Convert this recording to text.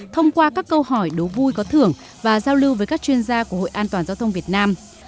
thông qua các câu hỏi đuố vui có thưởng và giao lưu với các chuyên gia của hội an toàn giao thông việt nam